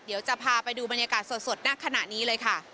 เดี๋ยวจะพาไปดูบรรยากาศสดณขณะนี้เลยค่ะ